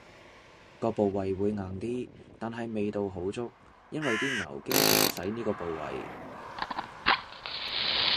個部位會硬啲，但係味道好足，因爲啲牛經常使呢個部位